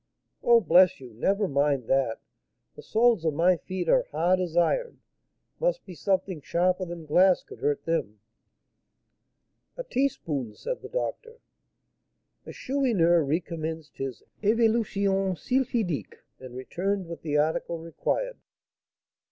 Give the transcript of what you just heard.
"Oh, bless you! never mind that; the soles of my feet are hard as iron; must be something sharper than glass could hurt them." "A teaspoon " said the doctor. The Chourineur recommenced his évolutions sylphidiques, and returned with the article required.